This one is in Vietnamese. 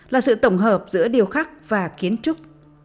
là sự tổng hợp giữa điều khắc và kiến trúc